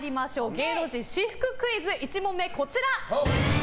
芸能人私服クイズ、１問目こちら。